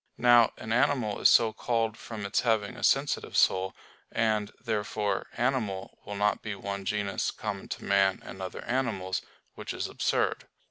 Now an animal is so called from its having a sensitive soul; and, therefore, "animal" will not be one genus common to man and other animals, which is absurd.